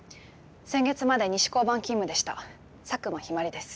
先月まで西交番勤務でした佐久間日葵です。